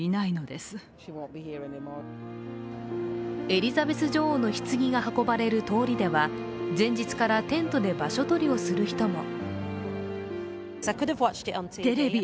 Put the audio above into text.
エリザベス女王のひつぎが運ばれる通りでは、前日からテントで場所取りをする人も。